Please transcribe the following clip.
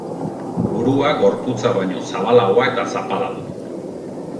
Burua gorputza baino zabalagoa eta zapala du.